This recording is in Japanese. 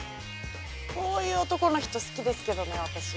こういう男の人好きですけどね私。